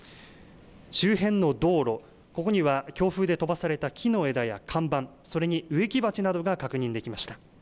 周辺の道路、ここには強風で飛ばされた木の枝や看板、それに植木鉢などが確認できました。